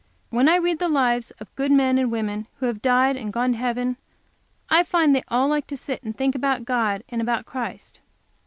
When I read the lives of good men and women who have died and gone to heaven, I find they all liked to sit and think about God and about Christ.